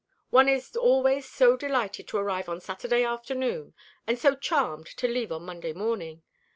"One is always so delighted to arrive on Saturday afternoon, and so charmed to leave on Monday morning.